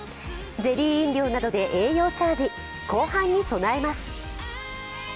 ゼリー飲料などで栄養チャージ、後半に備えます。